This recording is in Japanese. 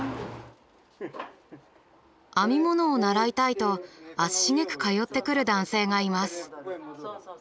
編み物を習いたいと足しげく通ってくる男性がいます。